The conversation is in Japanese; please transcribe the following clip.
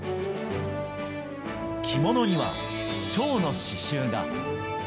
着物にはちょうの刺しゅうが。